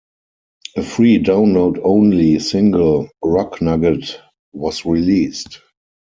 A free download-only single "Rock Nugget" was released.